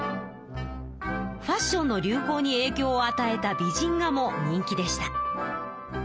ファッションの流行にえいきょうをあたえた美人画も人気でした。